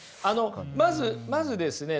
まずまずですね